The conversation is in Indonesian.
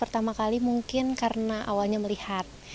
pertama kali mungkin karena awalnya melihat